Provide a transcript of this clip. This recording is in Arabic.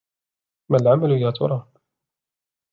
مَا العَمَلُ يَا تُرَى!